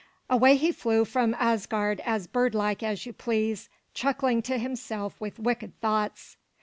Away he flew from Asgard as birdlike as you please, chuckling to himself with wicked thoughts.